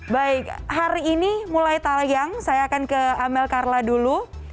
baik hari ini mulai tayang saya akan ke amel karla dulu